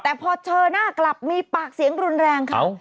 แต่พอเจอหน้ากลับมีปากเสียงรุนแรงเขา